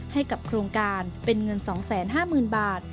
ให้กับโครงการเป็นเงิน๒๕๐๐๐บาท